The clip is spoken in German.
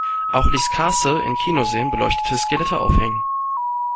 Auch ließ Castle in Kinosälen beleuchtete Skelette aufhängen.